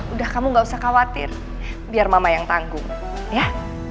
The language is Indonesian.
udah kamu gak usah khawatir biar mama yang tanggung ya